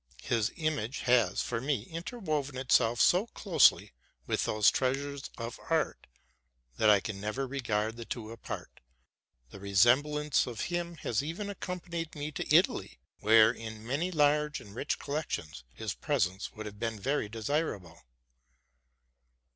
His image has, for me, interwoven itself so closely with those treasures of art, that I can never regard the two apart: the remembrance of him has even accompanied me to Italy, where. in many large and rich collections, his presence would have been very desirable.